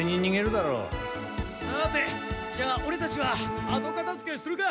さてじゃあオレたちは後かたづけするか。